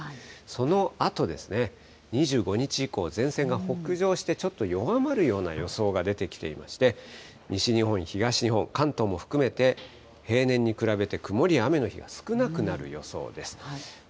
そのあとですね、２５日以降、前線が北上してちょっと弱まるような予想が出てきまして、西日本、東日本、関東も含めて、平年に比べて曇りや雨の日が少なくなる予想です。